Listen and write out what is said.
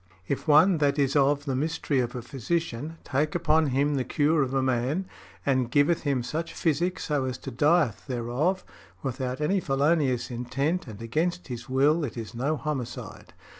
"If one that is of the mystery of a physician take upon him the cure of a man, and giveth him such physic so as he dieth thereof, without any felonious intent and against his will, it is no homicide."